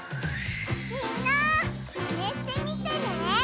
みんなマネしてみてね！